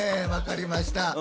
分かりました。